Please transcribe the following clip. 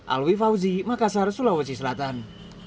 alwi fauzi makassar sulawesi selatan